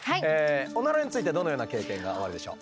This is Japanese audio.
オナラについてどのような経験がおありでしょう？